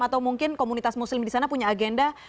atau mungkin komunitas muslim di sana punya agenda